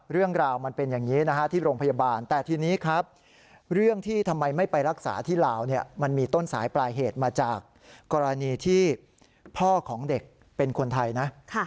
เรื่องราวมันเป็นอย่างนี้นะฮะที่โรงพยาบาลแต่ทีนี้ครับเรื่องที่ทำไมไม่ไปรักษาที่ลาวมันมีต้นสายปลายเหตุมาจากกรณีที่พ่อของเด็กเป็นคนไทยนะ